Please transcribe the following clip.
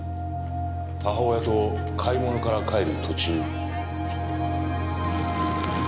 母親と買い物から帰る途中。